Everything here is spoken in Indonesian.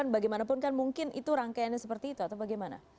bagaimanapun kan mungkin itu rangkaiannya seperti itu atau bagaimana